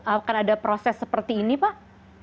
akan ada proses seperti ini pak